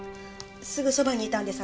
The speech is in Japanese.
すぐそばにいたんです